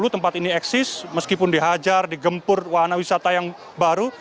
tempat ini eksis meskipun dihajar digempur wahana wisata yang baru